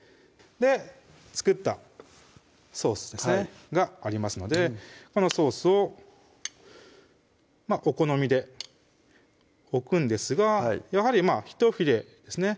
作ったソースがありますのでこのソースをお好みで置くんですがやはり１フィレですね